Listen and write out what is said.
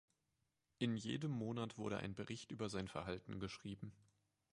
In jedem Monat wurde ein Bericht über sein Verhalten geschrieben.